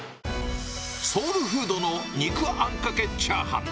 ソウルフードの肉あんかけチャーハン。